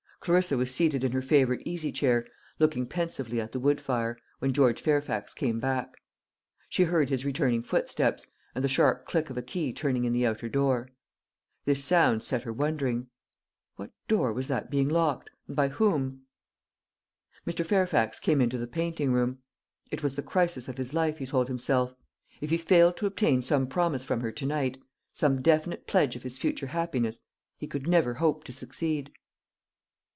Clarissa was seated in her favourite easy chair, looking pensively at the wood fire, when George Fairfax came back. She heard his returning footsteps, and the sharp click of a key turning in the outer door. This sound set her wondering. What door was that being locked, and by whom? Mr. Fairfax came into the painting room. It was the crisis of his life, he told himself. If he failed to obtain some promise from her to night some definite pledge of his future happiness he could never hope to succeed.